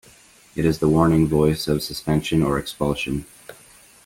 It is the warning voice of suspension or expulsion.